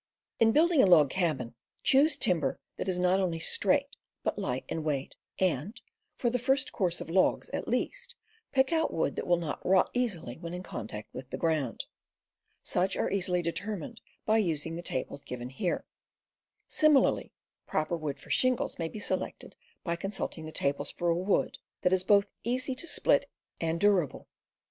In building a log cabin, choose timber that is not only straight but light in weight, and, for the first course of logs, at least, pick out wood that will not rot easily when in contact with the ground ; such are easily determined by using the tables here given; similarly, proper wood for shingles may be selected by consulting the tables for a wood that is both easy to split and dur 266 CAMPING AND WOODCRAFT able.